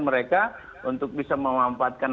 mereka untuk bisa memanfaatkan